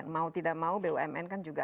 mau tidak mau bumn kan juga